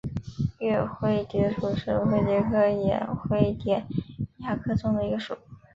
岳灰蝶属是灰蝶科眼灰蝶亚科中的一个属。